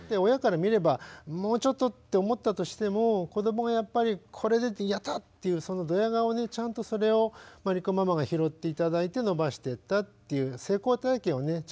親から見ればもうちょっとって思ったとしても子どもがやっぱりこれで「やった！」というどや顔をねちゃんとそれを真理子ママが拾って頂いて伸ばしていったっていう成功体験をね